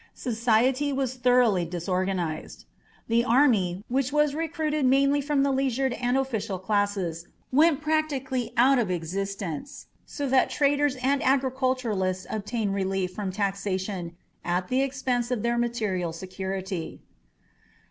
Society was thoroughly disorganized. The army, which was recruited mainly from the leisured and official classes, went practically out of existence, so that traders and agriculturists obtained relief from taxation at the expense of their material security.